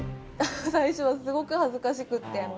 最初はすごく恥ずかしくって。